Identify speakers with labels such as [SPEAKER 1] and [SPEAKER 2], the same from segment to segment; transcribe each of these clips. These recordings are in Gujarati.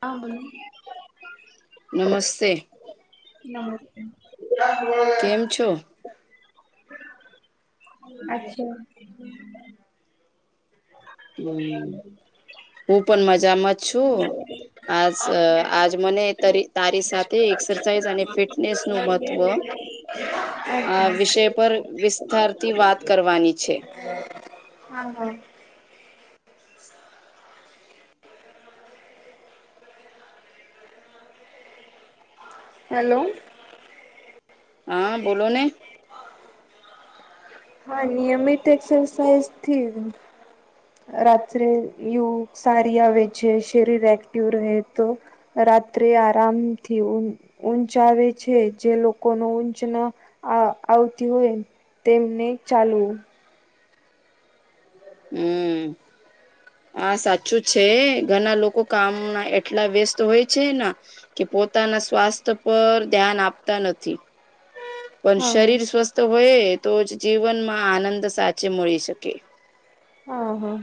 [SPEAKER 1] હા બોલો.
[SPEAKER 2] નમસ્તે.
[SPEAKER 1] નમસ્તે.
[SPEAKER 2] કેમ છો?
[SPEAKER 1] અચ્છા. હ
[SPEAKER 2] હમ
[SPEAKER 1] [inaudible]
[SPEAKER 2] હું પણ મજામાં જ છું. આજ આજ મને તારી સાથે એક્સરસાઝ અને ફિટનેસ નું મહત્વ
[SPEAKER 1] હ [inaudible]
[SPEAKER 2] આ વિષય પર વિસ્તારથી વાત કરવાની છે.
[SPEAKER 1] હ [inaudible] હા હા. હેલો.
[SPEAKER 2] હા બોલોને.
[SPEAKER 1] હા નિયમિત એક્સરસાઇઝથી. રાત્રે ઊંઘ સારી આવે છે શરીર એક્ટિવ રહે તો રાત્રે આરામથી ઊંચ આવે છે જે લોકોનો ઊંચન આવતી હોય તેમને ચાલવું
[SPEAKER 2] હમ. હા સાચું છે ઘના લોકો કામના એટલા વ્યસ્ત હોય છે ન કે પોતાના સ્વાસ્થ્ય પર ધ્યાન આપતા નથી. પણ
[SPEAKER 1] હા
[SPEAKER 2] શરીર સ્વસ્થ હોય તોજ જીવનમાં આનંદ સાચે મળી શકે.
[SPEAKER 1] હ હા.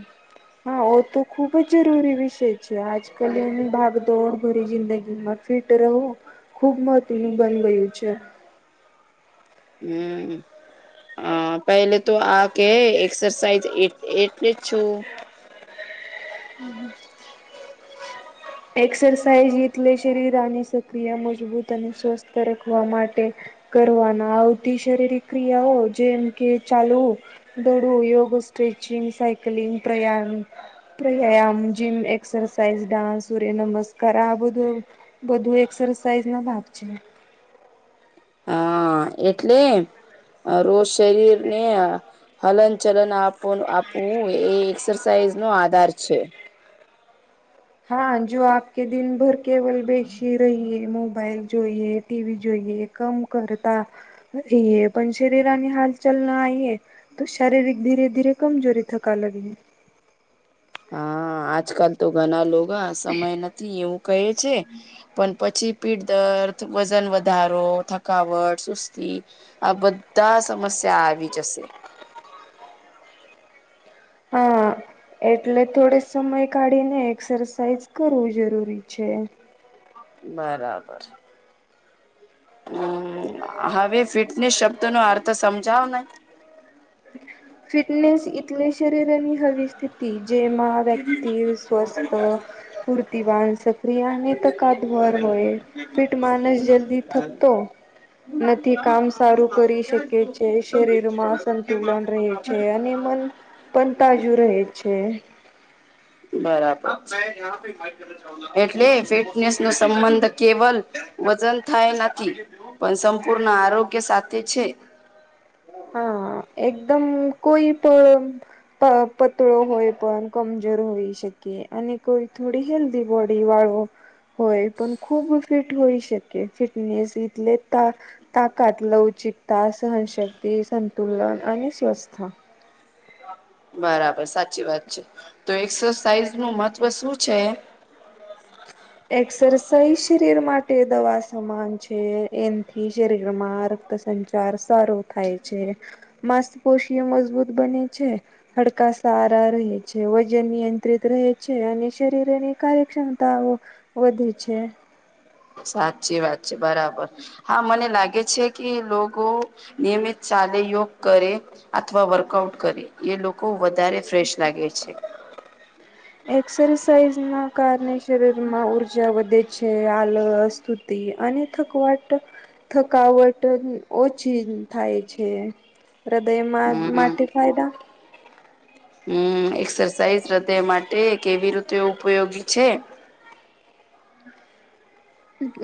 [SPEAKER 1] એ તો ખૂબજ જરૂરી વિષય છે આજકલ એની ભાગ દોડ ભરી જિંદગીમાં ફિટ રહવુ ખૂબ મહત્ત્વનું બની ગયું છે.
[SPEAKER 2] હમ. હ પેલેતો આ કે એક્સરસાઇઝ એટલે છું
[SPEAKER 1] [inaudible] એક્સરસાઇઝ એટલે શરીર આની સક્રિય મજબૂત અને સ્વસ્થ રાખવા માટે. કરવાના આવતી શરીરિક ક્રિયાઓ જેમ કે ચાલવુ દડું યોગ સ્ટ્રેચિંગ સાયકલિંગ પ્રયામ પ્રયામ જીમ એક્સરસાઈઝ ડાન્સ સૂર્ય નમસ્કાર આ બધું બધું એક્સરસાઝના ભાગ છે.
[SPEAKER 2] હા એટલે રોજ શરીરને હલન ચલન આપ આપવું એ એક્સરસાઇઝ નો આધાર છે.
[SPEAKER 1] હા જો આપ કે દિન ભર કેવલ બેેશી રહી હૈ મોબાઈઇલ જોઈએ ટીવી જોઈએ કામ કરતા એ એ પણ શરીરાની હાલચલના આયે તો શારીરિક ધીરે ધીરે કમજોરી થકા લગે.
[SPEAKER 2] હા આજકાલ તો ઘણા લોકા સમય નથી એવું કહે છે. પણ પછી પીઠદર્દ વજન વધારો થકાવટ સુસ્તી આ બધા સમસ્યા આવી જશે.
[SPEAKER 1] હા
[SPEAKER 2] [inaudible]
[SPEAKER 1] એટલે થોડીક સમય કાઢીને એક્સરસાઇઝ કરવું જરૂરી છે.
[SPEAKER 2] બરાબર. હમ હવે ફિટનેસ શબ્દનો અર્થ સમજાવને.
[SPEAKER 1] ફિટનેસ એટલે શરીરની હવી સ્થિતિ જેમાં વ્યક્તિ સ્વસ્થ કુર્તિવાન સક્રિય અને તકાદભર હોય. ફિટ માનસ જલ્દી થકતો નથી કામ સારું કરી શકે છે શરીરમાં સંતુલન રહે છે. અને મન પણ તાજુ રહેે છે.
[SPEAKER 2] બરાબર. એટલે ફિટનેસનો સંબંધ કેવલ વજન થાય નથી પણ સંપૂર્ણ આરોગ્ય સાથે છે.
[SPEAKER 1] હા એકદમ કોઈ પણ પતળો હોય પણ કમજોર હોઈ શકે અને કોઈ થોડી હેલ્થી બોડી વાળો હોય પણ ખૂબ ફિટ હોઈ શકે ફિટનેસ એટલે લેતા તાકાત લવચિકતા સહનશક્તિ સંતુલન અને સ્વસ્થ
[SPEAKER 2] બરાબર સાચી વાત છે તો એક્સરસાઇઝ નું મહત્વ શું છે?
[SPEAKER 1] એક્સરસાઇઝ શરીર માટે દવા સમાન છે એમથી શરીરમાં સંચાર સારો થાય છે માસ્પોષી મજબૂત બને છે. હડકા સારા રહે છે વજન નિયંત્રિત રહે છે અને શરીરની કાર્યક્ષમતાઓ વધે છે.
[SPEAKER 2] સાચી વાત છે બરાબર. હા મને લાગે છે કે લોકો નિયમિત ચાલે યોગ કરે. અથવા વર્કઆઉટ કરી એ લોકો વધારે ફ્રેશ લાગે છે.
[SPEAKER 1] એક્સરસાઇઝ ના કારણે શરીર માં ઉર્જા વધે છે. આલ સ્તુતિ અને થકવાટ થકાવટ ઓછી થાય છે હૃદયમાં
[SPEAKER 2] હમ
[SPEAKER 1] માટે ફાયદા
[SPEAKER 2] હમ એક્સરસાઇઝ હૃદય માટે કેવી રીતે ઉપયોગી છે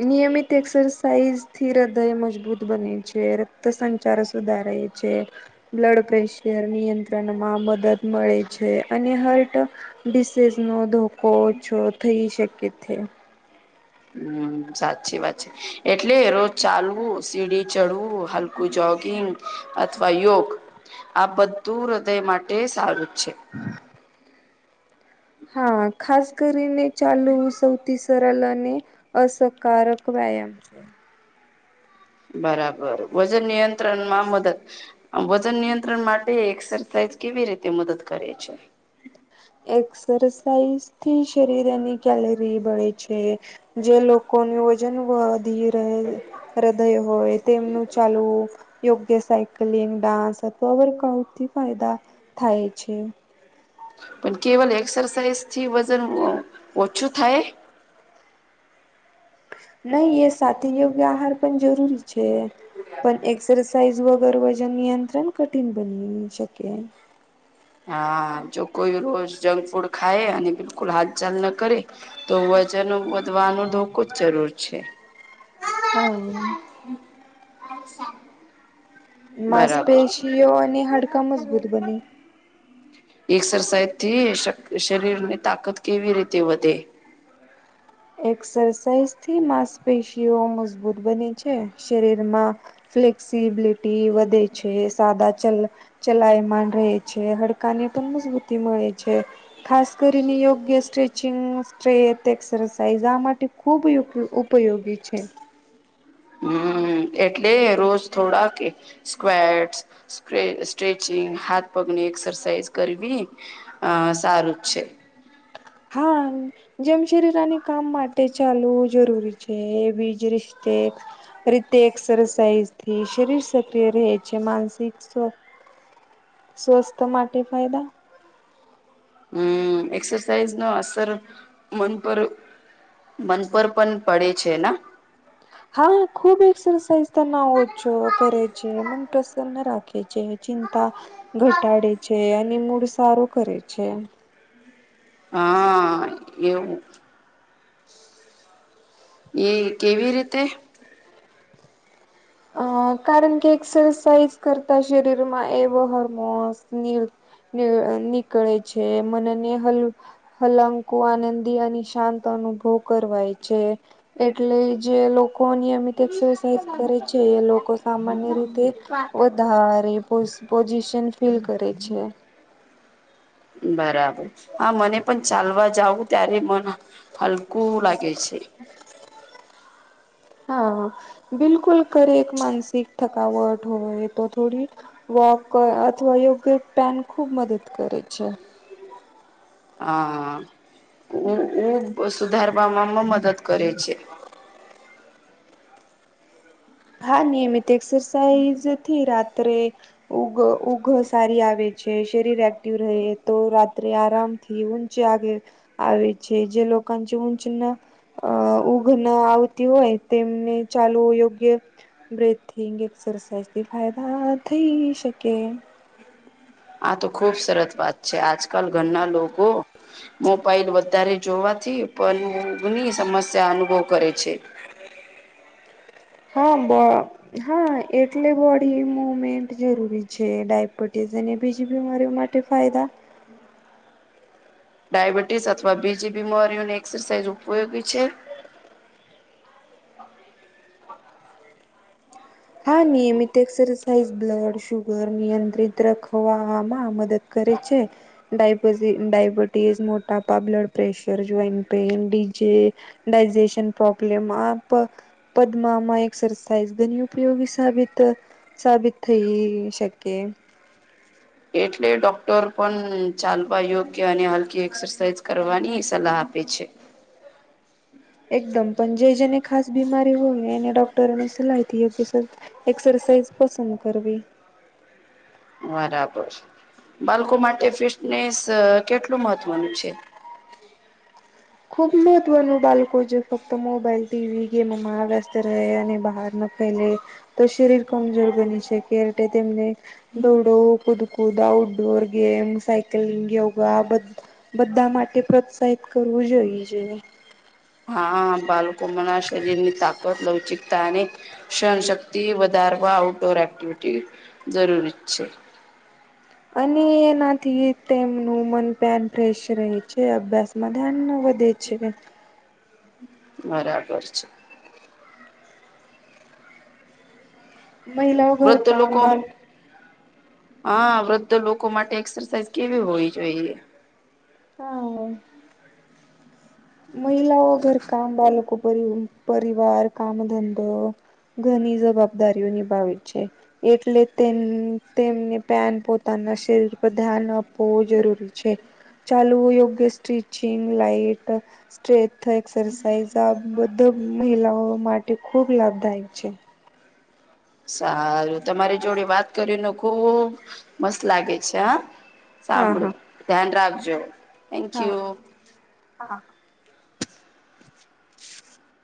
[SPEAKER 1] નિયમિત એક્સરસાઇઝ થી હૃદય મજબૂત બને છે રક્ત સંચાર સુધારે બ્લડ પ્રેશર નિયંત્રણમાં મદદ મળે છે અને હટ ડિસીઝ નો ધોકો ઓછ થઈ શકે છે
[SPEAKER 2] હમ સાચી વાત છે એટલે રોજ ચાલવું સીડી ચડવું હલકું જોગિંગ અથવા યોગ આ બધું હૃદય માટે સારું જ છે
[SPEAKER 1] [inaudible] હા ખાસ કરીને ચાલુ સૌથી સરલ અને અકારક વ્યાયામ છે
[SPEAKER 2] બરાબર વજન નિયંત્રણ માં મદદ વજન નિયંત્રણ માટે એક્સરસાઇઝ કેવી રીતે મદદ કરે છે
[SPEAKER 1] એક્સરસાઇઝ થી શરીરાની કેલ રિબળ છે જે લોકોનું વજન ઉવા દી હૃદય હોય તેમનું ચાલવું યોગ્ય સાયકલિંગ ડાન્સ અથવા વર્કઆઉટથી ફાયદા થાય છે
[SPEAKER 2] પણ કેવલ એક્સરસાઇઝથી વજન ઓછું થાય
[SPEAKER 1] નહી એ સાથે યોગ્ય આહાર પણ જરૂરી છે પણ એક એક્સરસાઇઝ વગર વજન નિયંત્રણ કઠિન બની શકે
[SPEAKER 2] હા જો કોઈ રોજ જંક ફૂડ ખાય અને બિલકુલ હાથ ચાલ ન કરે તો વજન વધવાનું ધોખું જ જરૂર છે
[SPEAKER 1] હા
[SPEAKER 2] બરાબર છે
[SPEAKER 1] માંસપેશીઓ અને હાડકા મજબૂત બને
[SPEAKER 2] એક્સરસાઇઝ થી શરીર ની તાકાત કેવી રીતે વધે
[SPEAKER 1] એક્સરસાઇઝ થી માંસપેશીઓ મજબૂત બને છે શરીરમાં ફ્લેક્સિબિલિટી વધે છે સાદા ચલ ચલાયમાન રહે છે હડકા ને પણ મજબૂતી મળે છે ખાસ કરીને યોગ્ય સ્ટ્રેચિંગ સ્ટ્રેટ એક્ સાાયઝા માટે ખૂબ ઉપયોગી છે
[SPEAKER 2] હમ એટલે રોજ થોડા કે સ્ક્વેટ સ્ટ્રેચિંગ હાથ પગની એક્સરસાાઈઝ કરવી અ સારું જ છે
[SPEAKER 1] હા જેમ શરીરની કામ માટે ચાલવું જરૂરી છે બીજ રિતે રીતે એક્સરસાઇઝથી શરીર સક્રિય રહે છે માનસિક સ્વસ્થ સ્વસ્થ માટે ફાયદા
[SPEAKER 2] હમ એક્સરસાઇઝ નો અસર મન પર મનપર પણ પડે છે ને
[SPEAKER 1] હા ખૂબ એક્સરસાઇઝ તના આવ છો કરે છે મન પ્રસન્ન રાખે છે ચિં ઘટાડે છે અને મૂળ સારો કરે છે
[SPEAKER 2] હા એવું
[SPEAKER 1] [inaudible]
[SPEAKER 2] એ કેવી રીતે
[SPEAKER 1] અ કારણ કે એક્સરસાઇઝ કરતા શરીરમાં એવો હોર્મોન્સ નીકળે છે મનેને હલ હલંકુ આનંદી અને શાંત અનુભવ કરવાય છે એટલે જે લોકો નિયમિત એક્સરસાઇઝ કરે છે એ લોકો સામાન્ય રીતે વધારે પો પોઝિશન ફીલ કરે છે
[SPEAKER 2] બરાબર હા મને પણ ચાલવા જાવું ત્યારે મ હલકુ લાગે છે.
[SPEAKER 1] હા બિલકુલ કરે એક માનસિક થકાવટ હોય તો થોડી વોક અથવા યોગ્ય પેન ખૂબ મદદ કરે છે.
[SPEAKER 2] હા ઉ ઉ સુધારવા માં મદદ કરે છે.
[SPEAKER 1] હા નિયમિત એક્સરસાઇઝ થી રાત્રે ઉગ ઉઘ સારી આવે છે. શરીર એક્ટિવ રહે તો રાત રાત્રે આરામથી ઊંચે આવે છે જે લોકો ચી ઊંચ ન અ ઊઘ ના આવતી હોય તેમને ચાલવુ યોગ્ય બ્રેથિંગ એક્સરસાઇઝ થી ફાયદા થઈ શકે.
[SPEAKER 2] આ તો ખુબ સરસ વાત છે આજકાલ ઘરના લોકો મોબાઈલ વધારે જોવાથી પણ ગની સમસ્યા અનુભવ કરે છે.
[SPEAKER 1] હા બર હા એટલે બોડી મુમેન્ટ જરૂરી છે ડાયબિટીસ અને બીજી બીમારીઓ માટે તે ફાયદા
[SPEAKER 2] ડયાબિટીસ અથવા બીજી બીમારીઓની એક્સરસાઇઝ ઉપયોગી છે.
[SPEAKER 1] હા નિયમિત એક્સરસાઇઝ બ્લડ, શુગર નિયંત્રિત રાખવામાં મદદ કરે છે. ડાયબ ડાયબિટીઝ, મોટાપા, blood pressure, joint pain disease digestion problem આપ પદમામા એક્સરસાાઈઝ ઘન્યૂ ઉપયોગી સાબિત સાબિત થઈ શકે.
[SPEAKER 2] એટલે ડોક્ટર પણ ચાલવા યોગ્ય અને હલકી એક્સરસાઇઝ કરવાની સલાહ આપે છે.
[SPEAKER 1] એકદમ પણ જે જેને ખાસ બીમારી હોયને એને ડોક્ટરોની સલાહ થી યોગ્ય એક્સરસાઇઝ પસંદ કરવી
[SPEAKER 2] બરાબર બાળકો માટે ફિટનેસ કેટલું મહત્વનું છે?
[SPEAKER 1] ખૂબ મહત્ત્વનું બાળકો જે ફક્ત મોબાઈલ, ટીવી, ગેમમાં વ્યસ્ત રહે અને બહાર ન ફેલે તો શરીર કમજોર બની શકે એટલે તેમને દોડો કુદ કુદ, outdoor game, cycling, yoga આ બધુ બધા માટે પ્રોત્સાહિત કરવું જોઈએ છે.
[SPEAKER 2] હા બાળકો મરા શરીર ની તાકત લવચિકતા અને સહન શક્તિ વધારવા આઉટડોર એક્ટિવિટી જરૂરી છે.
[SPEAKER 1] અને એનાથી તેમનું મન પન ફેશ રહે છે, અભ્યાસમાં ધ્યાન ન વધે છે.
[SPEAKER 2] બરાબર છે.
[SPEAKER 1] મહિલાઓ
[SPEAKER 2] વૃદ્ધ
[SPEAKER 1] ઘરકામ
[SPEAKER 2] લોકો
[SPEAKER 1] બાળ
[SPEAKER 2] હા વૃદ્ધ લોકો માટે એક્સરસાઇઝ કેવી હોવી જોઈએ?
[SPEAKER 1] હા. મહિલાઓ ઘર કામ બાળકો પર પરિવાર કામ, ધંધો ઘણી જવાબદારીઓ નિભાવે છે. એટલે તેમ તેમને પ્યાન પોતાના શરીર પર ધ્યાન આપવુ જરૂરી છે. ચાલવુ, યોગ્ય સ્ટિચિંગ લાઈટ સ્ટ્રેથ એક્સરસાઇઝ આ બધું મહિલાઓ માટે ખૂબ લાભદાયક છે.
[SPEAKER 2] સારું તમારી જોડે વાત કરીને ખુબ મસ્ત લાગે છે. હા.
[SPEAKER 1] હા
[SPEAKER 2] સાંભળો
[SPEAKER 1] હા.
[SPEAKER 2] ધ્યાન રાખજો થેન્ક યુ.
[SPEAKER 1] હા.